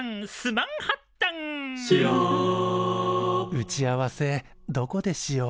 打ち合わせどこでしよう？